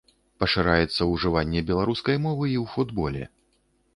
Пашыраецца ўжыванне беларускай мовы і ў футболе.